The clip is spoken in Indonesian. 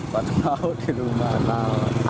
buat bau di rumah